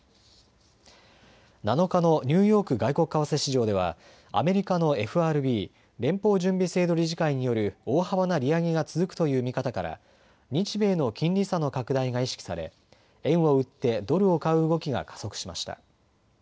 ７日のニューヨーク外国為替市場ではアメリカのＦＲＢ・連邦準備制度理事会による大幅な利上げが続くという見方から日米の金利差の拡大が意識され円を売ってドルを買う動きが加速しました。